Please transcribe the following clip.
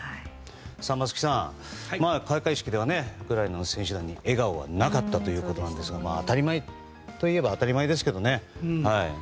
松木さん、開会式ではウクライナの選手団に笑顔はなかったということですが当たり前といえば当たり前ですけどね。